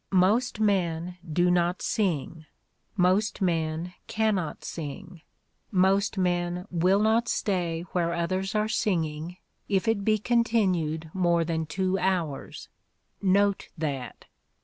... Most men do not sing, most men cannot sing, most men will not stay where others are singing if it be continued more than two hours. Note that.